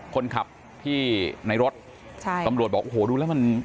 คนขับที่ในรถใช่ตำรวจบอกโอ้โหดูแล้วมัน